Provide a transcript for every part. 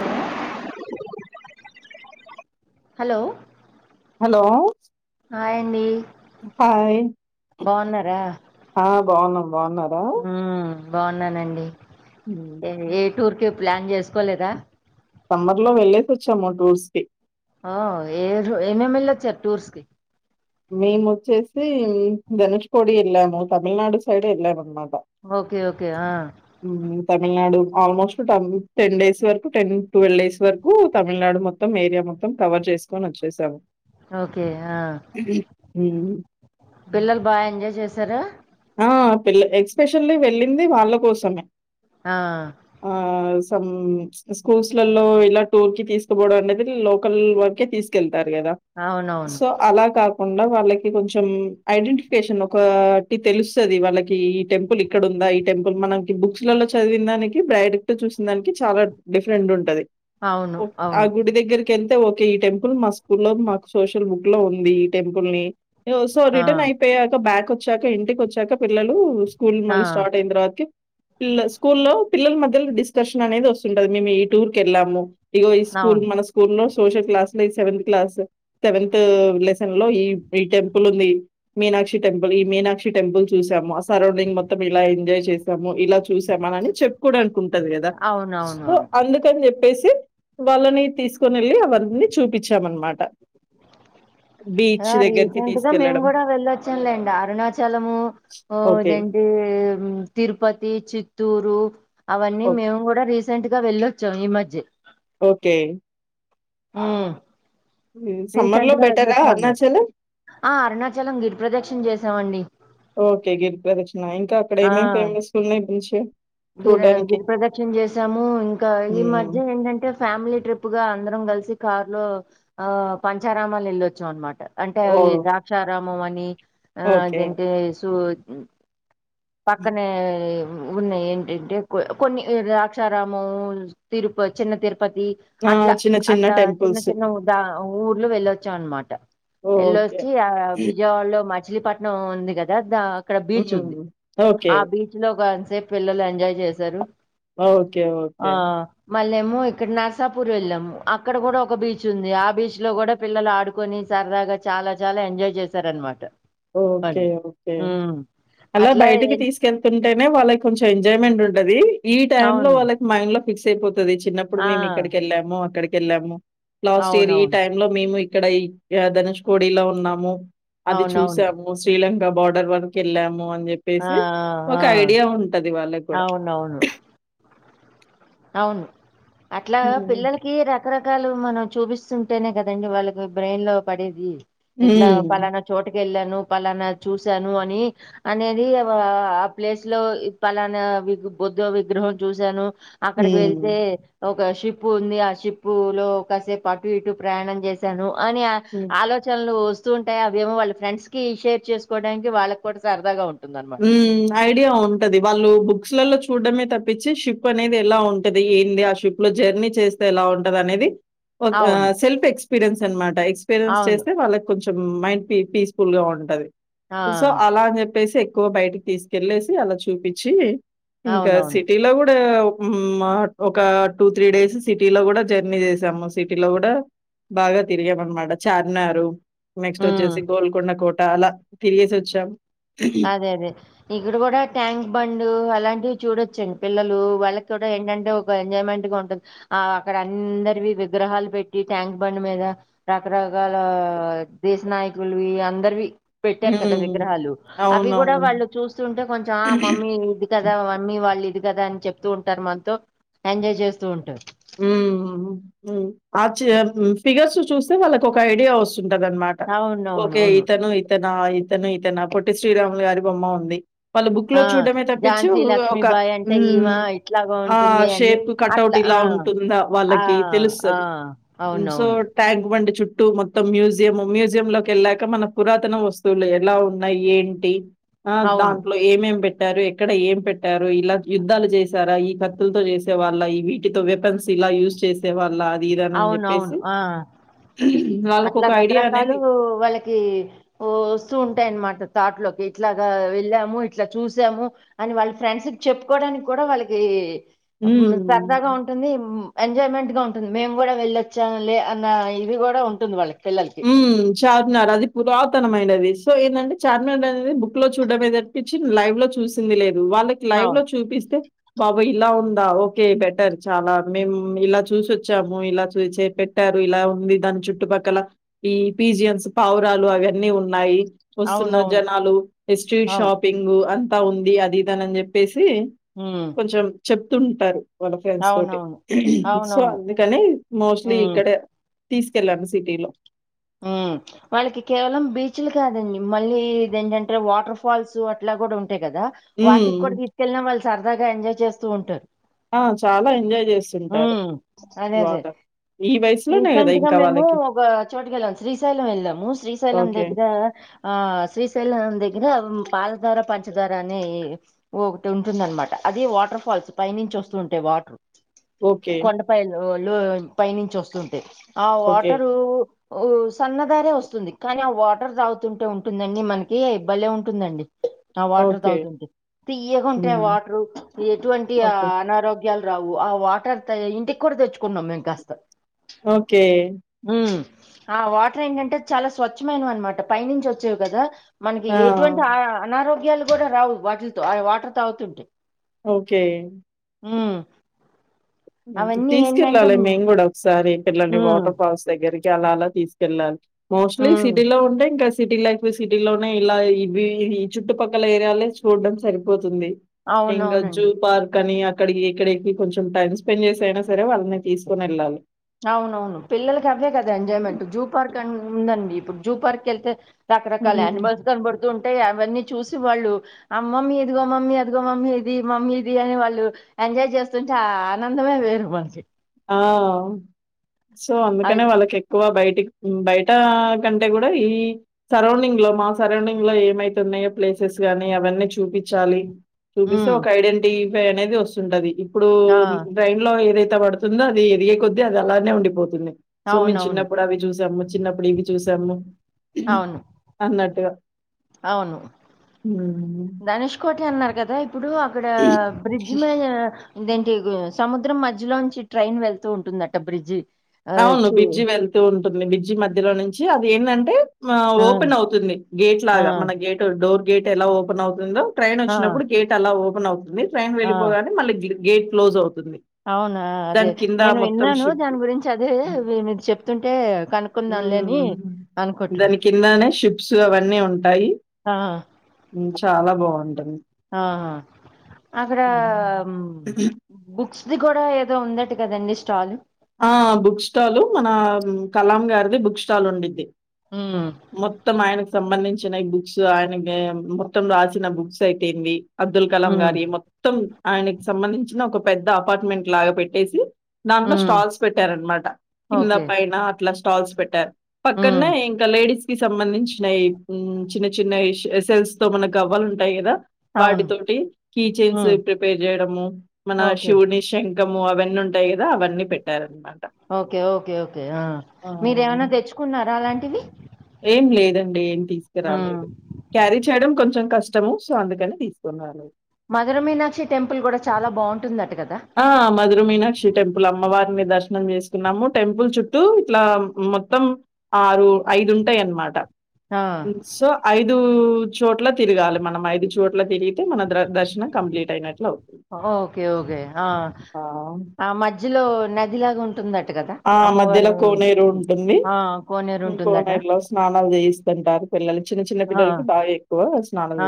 Hello hello hello hi బాన్నారా ఆ బాగున్నాం బాగున్నారా బాగున్నానండి ఉమ్. ఏ టూర్ కి ప్లాన్ చేసుకోలేదా సమ్మర్ లో వెళ్లేసి వచ్చాము టూర్స్ కి ఆ ఏర్ ఏలమేమార్ వెళ్ళొచ్చారు టూర్స్ కి మేము వచ్చేసి ధనుష్కోటికి వెళ్ళాము తమిళనాడు సైడ్ వెళ్ళాము అన్నమా ఓకే ఓకే ఆ తమిళనాడు ఆల్మోస్ట్ ట టెన్ డేస్ వరకు టెన్ ట్వెలడేస్ వరకు తమిళనాడు మొత్తం ఏరియా మొత్తం కవర్ చేసుకొని వచ్చేసాం ఓకే ఆ ఉమ్. పిల్లలు బాగా ఎంజాయ్ చేసారా ఆ పిల్ల ఎక్స్పెషల్లీ వెళ్ళింది వాళ్ళ కోసమే ఆ ఆ శ స్కూల్స్ లలో ఇలా టూర్ కి తీసుకోపోవడ అనేది లోకల్ వరకే తీసుకెళ్తు టార్ కెదా అవునవును సో అలా కాకుండా వాళ్ళకి కొంచెం ఐడెంటిఫికేషన్ ఒక ఆ తెలుస్తాది వాళ్ళకి ఈ టెంపుల్ ఇక్కడ ఉందా ఈ టెంపుల్ మనకి బుక్స్ లలో చదివిన దానికి బ్రైడక్ట్ చూ సిందానికి చాలా డిఫరెంట్ ఉంటది అవును ఆ అవును గుడి దగ్గర ఎల్ అతే ఓకే ఈ టెంపుల్ మా స్కూల్ లో మాకు సోషల్ బుక్ లో ఉంది ఈ టెంపుల్ ని ఏ ఓ సో ఆ రిటర్న్ అయిపోయాక బ్యాక్ వచ్చాక ఇంటికి వచ్చాక పిల్లలు స్కూల్ ఆ మళ్ళ స్టార్ట్ అయిన తర్వాతకి పిల్ల స్కూల్లో పిల్లల మధ్యలో డిస్కషన్ అనేది వస్తుంటది మేము ఈ టూర్ కి వెళ్ళాము ఇగో ఈ స్కూల్ అవును మన స్కూల్స్ లో సోషల్ క్లాస్ లో ఈ సెవెంత్ క్లాస్ సెవెంత్ లెసన్ లో ఈ ఈ టెంపుల్ ఉంది మీనాక్షి టెంపుల్ ఈ మీనాక్షి టెంపుల్ చూసాము ఆ సరవనింగ్ మొత్తం ఇలా ఎంజాయ్ చే చేసాము ఇలా చూసా మహా ని చెప్పుకోవడానికి ఉంటాది కదా అవునవును హా అందుకని పేసి వాళ్ళని తీసుకొని వెళ్ళి అవన్నీ చూపించామన్నమాట బీచ్ [unintelligible] దగ్గరికి రీసెంట్గా మేము తీసుకెళ్ళడం. కూడా వ వెళ్లొచ్చాం లేండి అరుణాచలము ఓకే. ఇదేంటి తిరుపతి చిత్తూరు అవన్నీ ఓక్ మేము కూడా రీసెంట్ గా వెళ్ళొచ్చాం ఈ మధ్య ఓకే హ్మ్మ్ హ్మ్. సమ్మర్‌లో రీసెంట్గా బెటరా వెళ్లొచ్చాంలే అరుణాచలం? ఆ అరుణాచలం గిరి ప్రదక్షణ మేం చేసామండి ఓకే గిరిప్రదక్షిణ ఇంకా అక్కడ ఆ ఏమేమి ఫేమస్ ఉన్నాయి గుంచి గిర గిరి ప్రదక్షణ చేసాము ఇంకా ఈ హ్మ్. మధ్య ఏంటంటే ఫ్యామిలీ ట్రిప్ గా అందరం కలిసి కారు లో ఆ పంచారామాలు వెళ్ళొచ్చుం అనమాట అంటే ఓహ్! ద్రాక్షారామం అని ఆ ఓకే. అదంతే సూ హ్మ్. పక్కనే ఉన్నాయి ఏ ఏంటే కొన్ని ద్రాక్షారామం తిరుప చిన్న తిరుప పతి ఆ! అట్లా చిన్న చిన్న అట్లా చిన్న టెంపుల్స్. చిన్న దా ఊర్లు వెళ్ళొచ్చా అనమాట ఓకే. వెళ్ళొచ్చి ఆ విజయవాడలో మచిలీపట్నం ఉంది కదా దక అక్కడ బీచ్ ఉంది హ్మ్. ఓకే. ఆ బీచ్ లో కొంతసేపు పిల్లలు ఎంజాయ్ చేశారు ఓకే ఓకే మళ్ళ ఏము ఇక్కడ నర్సాపూర్ వెళ్ళాము అక్కడ కూడా ఒక బీచ్ ఉంది ఆ బీచ్ లో కూడా పిల్లలు ఆడుకొని సా సరద గా చాలా చాలా ఎంజాయ్ చేశారనమాట వాళ్ళు ఓకే ఓకే ఉమ్ అలా అట్లా బయటికి ఏం తీసుకెళ్తుంటేనే వాళ్ళకి కొంచెం ఎంజాయ్మెంట్ ఉంటు ఉంటది ఈ టై లో అవును వాళ్ళకి మైండ్ లో ఫిక్స్ అయిపోతుంది చిన్నప్పుడు ఆ మేము ఇక్కడికి వెళ్ళాము అక్కడికి ఎళ్ళాము లాస్ట్ ఇయర్ ఈ అవునవును టై లో మేము ఇక్కడ ఈ ధనుష్ కోడి లో ఉన్నాము అది అవునవును. చూసాము శ్రీలంక బార్డర్ వరకు వెళ్ళాము అని ఆ! చెప్పేసి ఆ! ఒక ఆ! ఐడియా ఉంటది వాళ్ళకు కూడా అవునవును. అవును అట్లా హ్మ్. పిల్లలకి రకరకాల కాలు మనం చూపిస్తుంటేనే కదండి వాళ్ళకి బ్రెయిన్ లో పడేది ఇట్లా హ్మ్. పలానా చోటు వెళ్ళాను పలానా చూశాను అని అనేది ఆ ప్లేస్ లో పలానా బుద్ధ విగ్రహం చూశాను అక్కడికి వెళ్తే హ్మ్. ఒ ఒక షిప్ ఉంది ఆ షిప్పు లో ఒకసేపు అటు ఇటు ప్రయాణం చేసాను అని హ్మ్. ఆలోచనలు వ వస్తూ ఉంటాయి అవి ఏమో ఫ్రెండ్స్ కకి షేర్ చేసుకోడానికి వాళ్ళకి కూడా సరదాగా ఉంటుంది ఐడియా ఉంటది వాళ్ళు బుక్స్ లలో చూడమే తప్పించి షిప్ అనేది ఎలా ఉంటది ఏంది ఆ షిప్ లో జర్నీ చేస్తే ఎలా ఉంటది అనేది ఒక అవును. సెల్ఫ్ ఎక్స్పీరియన్స్ అన్నమాట ఎక్స్పీరియన్స్ అవును. చేస్తే వాళ్ళకి కొంచెం మైండ్ పీస్ ఫుల్ గా ఉంటంది ఆ సో అలాని చెప్పేసి కు బయటకి తీసుకెళ్లేసి అలా చూపిచ్చి ఇంకా అవునవును సిటీలో కూడా మా ఒక టూ త్రీ డేస్ సిటీలో కూడా జర్నీ చేసాము మా సిటీలో కూడా బాగా తిరిగాము అన్నమాట చార్మినార్ నెక్స్ట్ హ్మ్ వచ్చేసి గోల్కొండ కోట అలా తిరిగేసి వచ్చాం అదే అదే ఇక్కడ కూడా ట్యాంక్ బండ్ అలాంటివి చూడొచ్చండి పిల్లలు వాళ్ళకి కూడా ఏంటి అంటే ఒక ఎంజాయ్మెంట్ గా ఉంటుంది ఆ అక్కడ అందరివి విగ్రహాలు పెట్టి ట్యాంక్ బండ్ మీద రకరకాల ఆ దేశ నాయకులువి అందరివి పెట్టారు కదా హ్మ్. విగ్రహాలు అవి కూడా అవునవును. వాళ్ళు చూస్తుంటే కొంచెం ఆ మమ్మీ ఇది కదా మమ్మీ వాళ్ళు ఇది కదా అని చెప్తూ ఉంటారు మనతో ఎంజాయ్ చేస్తూ ఉంటారు హు హు ఆర్చ్ ఫిగర్స్ చూస్తే వాళ్ళకి ఒక ఐడియా వస్తు ఉంటదన్నమాట అవునవును ఓకే అవును ఇతను ఇతను నా ఇతను ఇతను పొట్టి శ్రీరాములు గారి బొమ్మ ఉంది వాళ్ళ బుక్ ఆ లో చూడమే తప్పించి ఝాన్సీ ఒక లక్ష్మీబాయి హు అంటే ఈమ ఇట్లాగా ఆ ఉంటుంది అని షేప్ కటౌట్ అట్లా ఇలా ఆ ఉ ఉంటుందా ఆ! వాళ్ళకి ఆ! తెలుస్తది సో అవునవును. ట్యాంక్ బండ్ చూ చుట్టు మొత్తం మ్యూజియయం మ్యూజియ లోకి వెళ్ళాక మన పురాతన వస్తువులు ఎలా ఉన్నాయి ఏంటి ఆ అవును. దాంట్లో ఏమేం పెట్ట ట్టారు ఎక్కడ ఏం పెట్టారు ఇలా యుద్ధాలు చేసారా ఈ కత్తులతో చేసే వాళ్ళ ఈ వీటితో వెపన్స్ ఇలా యూస్ చేసే వాళ్ళ అది ఇది అని అవునవును. చెప్పేసి ఆ! అట్లా రకరకాలు వాళ్ళకి వస్తు ఉంటాయిన్నమాట థాట్లోకి ఇట్లాగా వెళ్ళాము ఇట్లా చూసాము అని వాళ్ళ ఫ్రెండ్స్ చెప్పుకోడానికి కూడా వాళ్ళకి ఉమ్ హ్మ్. సరదాగా ఉంటుంది ఎంజాయ్మెంట్ గా ఉంటుంది మేము కూడా వెళ్ళొచ్చాము లే అన్న ఇది కూడా ఉంటుంది వాళ్ళకి పిల్లలకి. హు చాల్ ఉన్నారు అది పురాతనమైనది సో ఏందంటే చార్మినార్ అనేది బుక్ లో చూడడమే తప్పించి లైవ్ లో చూసింది లేదు వాళ్ళకి లైవ్ లో అవును. చూపిస్తే బాబోయ్ ఇలా ఉందా ఓకే బెటర్ చాలా మేము ఇలా చూసివచ్చాము ఇలా చూ చే పెట్ట పెట్టారు ఇలా ఉంది దాని చుట్టుపక్కల ఈ పీజియన్స్ పావురాలు అవన్నీ ఉన్నాయి వస్తున్న అవునవును. జనాలు ఎ స్ట్రీట్ అవును. షాపింగ్ అంతా ఉంది అది ఇది దాన్ని చెప్పేసి తి హ్మ్. కొంచెం చెప్తూ ఉంటారు వాళ్ళ ఫ్రెండ్స్ తోటి అవునవును. సో అవునవును. అందుకని మోస్ట్లీ హ్మ్. ఇక్కడే తీసుకెళ్లాను సిటీలో హు వాళ్ళకి కేవలం బీచ్లు కాదండి మళ్ళీ ఇది ఏంటి అంటే వాటర్ ఫాల్స్ అట్లా కూడా ఉంట ఉంటాయి కదా వాటికి హ్మ్. కూడా తీసుకెళ్ళినా వాళ్ళు సరదాగా ఎంజాయ్ చేస్తూ ఉంటారు ఆ! చాలా ఎంజాయ్ హు జేస్తుంటారు అదే అదే వాటర్. ఈ వయసులోనే గదా! రీసెంట్ గా ఇంకా మేము వాళ్ళకి. ఒక చోటుకి వెళ్ళాము శ్రీశైలం వెళ్ళాము శ్రీశైలం ఓకే. దగ్గర ఆ శ్రీశైలం దగ్గర పాలధార పంచదార అనే ఒకటి ఉంటుందనమాట అది వాటర్ ఫాల్స్ పైనుంచి వస్తూ ఉంటాయి వాటర్ ఓకే. కొండ పైన లుళ పైనుంచి వస్తుంటయి ఆ ఓకే. వాటరు సన్నదారే వస్తుంది కానీ ఆ వాటర్ తాగుతుంటే ఉంటుందండి మనకి భలే ఉంటుందండి ఆ వాటర్ ఓకే. తాగుతుంటె తీయ్యగా ఉంటాయి హ్మ్. వాటరు ఎటువంటి ఓకే. అనారోగ్యాలు రావు ఆ వాటర్ ఇంటికి కూడ తెచ్చుకున్నాం మేము కాస్త ఓకే ఉమ్ ఆ వాటర్ ఏంటంటే చాల స్వచ్ఛమైనవి అనమాట పైనుంచి వచ్చేవి కదా మనకి ఆ! ఎటువంటి అనారోగ్యాలు కూడ రావు వాటిలతో వాటర్ తాగుతుంటే ఓకే మ్ తీసుకెళ్ళాలి మేము కూడ ఒకసారి పిల్లని ఉమ్ వాటర్ ఫాల్స్ దగ్గరికి జనాల తీసుకెళ్ళాలి మోస్ట్లీ ఉమ్, సిటీలో ఉంటే ఇంకా సిటీ లైఫ్ సిటీ లోనే ఇలా ఇవి ఈ చుట్టుపక్కల ఏరియాలే చూడ్డం సరిపోతుంది తుంది ఇంక అవునవునండి జూ పార్క్ అని అక్కడి ఇక్కడెకి కొంచం టైమ్ స్పెండ్ చేసైనా సరే వాళ్ళని తీసుకుని వెళ్ళాలి అవునవును పిల్లలకి అవే కదా ఎంజాయ్మెంట్ జూ పార్క్ అ ఉందండి ఇప్పుడు జూ పార్క్ వెళ్తే రకరకాల హ్మ్. యానిమల్స్ కన్ బడ్తు తుంటయి అవన్నీ చూసి వాళ్ళు అమ్మమ్మీ ఇదిగో మమ్మీ అదిగో మమ్మీ ఇది మమ్మీ ఇది అని వాళ్ళు ఎంజాయ్ చేస్తుంటే అ ఆనందమే వేరు మనకి ఆ సో అయి అందుకనే వాళ్ళకి ఎక్కువ బయట బయట కంటే కూడ ఈ సరౌండింగ్ లో మా సరౌండింగ్ లో ఏమైతున్నాయో ప్లేస్ ప్లేసెస్ గాని అవన్నీ చూపిచ్చాలి చూపిస్తే హ్మ్. ఒక ఐడెంటిఫై అనేది వస్తుంటది ఇప్పుడూ ఆ! బ్రైన్ లో ఏదైతే పడుతు తుందో అది ఎదిగే కొద్ది అది అలానే ఉండిపోతుంది సో మీ అవునవును. చిన్నప్పుడు అవి చూసాము చిన్నప్పుడు ఇవి చూసాము అవును. అన్నట్టుగా అవును ధనుష్ కోటె అన్నారు కదా ఇప్పుడు అక్కడ హ్మ్. బ్రిడ్జ్ మీద ఇదేంటి సముద్రం మధ్యలోంచి ట్రైన్ వెళ్తూ ఉంటుందట బ్రిడ్జ్ అవును బిడ్జి వెళ్తూ ఉంటుంది బిడ్జి మధ్యలో నుంచి అది ఏందంటే ఆ ఓపెన్ అవుతుంది గేట్ ఆ! లాగ మన గేట్ డోర్ గేట్ ఎలా ఓపెన్ అవుతుందో ట్రైన్ ఆ! వచ్చినప్పుడు గేట్ అలా ఓపెన్ అవుతుంది ట్రైన్ ఆ! వెళ్ళిపోగానే మళ్ళ గేట్ క్లోజ్ అవుతుంది అవునా అదే దాని కింద నేను మొత్తం విన్నాను షిప్ దాని గురించి చదివె మీరు చెప్తుంటే కనుక్కుందాంలేని అనుకుంటున్నాను అయిన షిప్స్ అవన్నీ ఉంటాయి చాలా బాగుంటుంది ఆహ అక్కడా హ్మ్. బుక్స్ క్జ్ కూడా ఏదో ఉందట కదండి స్టాల్ ఆ బుక్ స్టాలు మన కలాం గారిది బుక్ స్టాల్ ఉండిది హ్మ్. మొత్తం ఆయనకు సంబంధించిన ఈ బుక్స్ ఆయన మొత్తం రాసిన బుక్స్ అయితేంది అబ్దుల్ కలాం హ్మ్. గారి మొత్తం ఆయనకి సంబంధించిన ఒక పెద్ద అపార్ట్మెంట్ లాగ పెట్టేసి దాంట్లో హ్మ్. స్టాల్స్ పెట్టారనమాట కింద ఓకే. పైన అట్ల స్టాల్స్ పెట్టారు హ్మ్. పక్కన్నే ఇంకా లేడీస్ కి సంబంధించిన చిన్న చిన్న సెల్స్ తో మనకు అవ్వలు ఉంటాయి కదా అవును. వాటితోటి కీ చెన్స్ హ్మ్. ప్రిపేర్ చేయడము మన షూని షై అవన్ని ఓకె ఓకె ఓకే ఆ! మీరేమన్నా తెచ్చుకున్నార అలాం టివి ఏం లేదండి ఏం తీసుకురాలేదు క్యారీ చేయడం కొంచం కష్ట ష్టము సో అందుకని తీసుకున్నారు మధరమీనాక్షి టెంపుల్ కూడ చాల బాగుంటుంది ఆ మధుర మీనాక్షి టెంపుల్ అమ్మవారిని దర్ దర్శనం చేసుకున్నాము టెంపుల్ చుట్టూ ఇట్లా మొత్తం ఆరు ఐదు ఉంటాయి అన్నమాట ఆ! సో ఐద్ దు చోట్ల తిరగాలి మనం ఐదు చోట్ల తిరిగితే మన ద దర్శనం కంప్లీట్ అయినట్లు అవ్ ఓకే ఓకే ఆ ఆ మధ్యలో నదిలాగా ఉంటుందట్ ఆ మధ్యలో కోనేరు ఉంటుంది ఆ కోనేరు ఉంటుందట కోనేరులో స్నానాలు చేస్ పిస్తుంటారు పిల్లలు చిన్న చిన్న ఆ పిల్లలకి బాగా ఎక్కువ స్నానం ఆ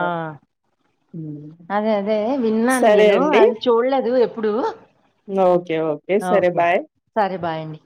ఆ అదే అదే విన్నాను సరే నేను అండి. అది చూడలేదు ఎప్పుడు ఓకే ఓకే సరే బాయ్ సరే బాయి అండి